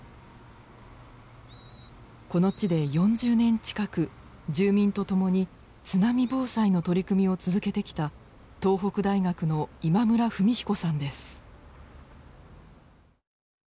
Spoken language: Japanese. この地で４０年近く住民と共に津波防災の取り組みを続けてきた東北大学の今村文彦さんです。